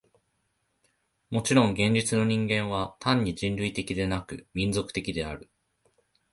もちろん現実の人間は単に人類的でなく、民族的である。